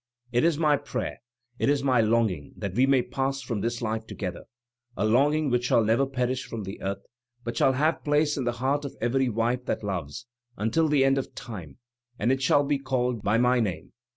"It is my prayer, it is my longing, that we may pass from this life together — a lopiging which shall never perish from the earth, but shall have place in the heart of every wife that loves, until the end of time; and it shall be called by my name.